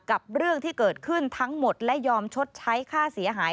กับเรื่องที่เกิดขึ้นทั้งหมดและยอมชดใช้ค่าเสียหาย